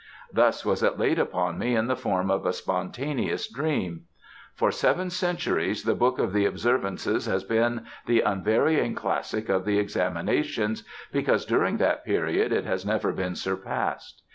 "Thus was it laid upon me in the form of a spontaneous dream. For seven centuries the Book of the Observances has been the unvarying Classic of the examinations because during that period it has never been surpassed.